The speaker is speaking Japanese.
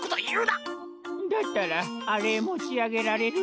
だったらあれもちあげられる？